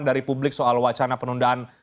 dari publik soal wacana penundaan